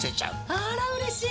あらうれしい。